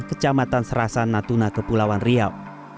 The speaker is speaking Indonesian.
kecamatan serasan natuna kepulauan riau